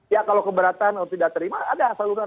ya kalau keberatan atau tidak terima ada saluran